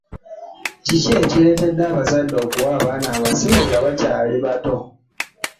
Kiki ekiretede abazadde okuwa abaana amasimu nga bakyali bato?